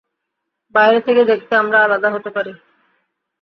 বাইরে থেকে দেখতে আমরা আলাদা হতে পারি।